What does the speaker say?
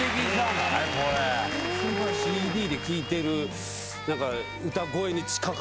ＣＤで聴いてる。